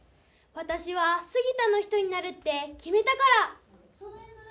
私は杉田の人になるって決めたから。